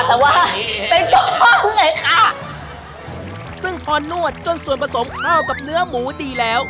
แต่ว่าเป็นก้อนเลยค่ะซึ่งพอนวดจนส่วนผสมข้าวกับเนื้อหมูดีแล้ว